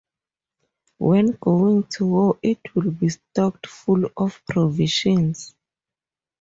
When going to war it will be stocked full of provisions.